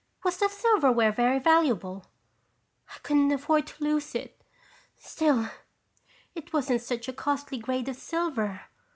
Was the silverware very valuable?" "I couldn't afford to lose it. Still, it wasn't such a costly grade of silver.